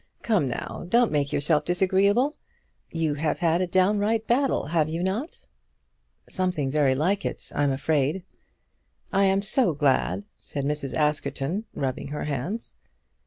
Come, now; don't make yourself disagreeable. You have had a downright battle; have you not?" "Something very like it, I'm afraid." "I am so glad," said Mrs. Askerton, rubbing her hands.